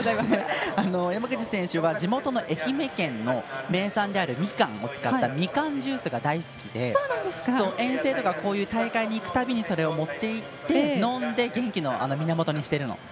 山口選手は地元の愛媛県の名産である、みかんを使ったみかんジュースが大好きで遠征とかこういう大会に行くたびにそれを持っていって飲んで、元気の源にしているの。